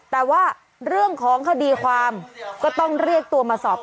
แต่ว่าต้องเรียงตัวมาสอบปรับ